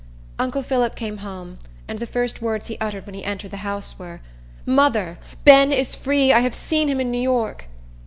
Uncle Phillip came home; and the first words he uttered when he entered the house were, "Mother, Ben is free! I have seen him in New York."